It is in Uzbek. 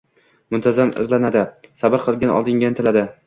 muntazam izlanadi, sabr bilan oldinga intiladi.